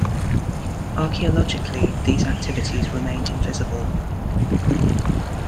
Archeologically these activities remain invisible.